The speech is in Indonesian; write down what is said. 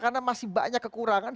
karena masih banyak kekurangan